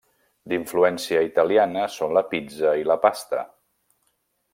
D'influència italiana són la pizza i la pasta.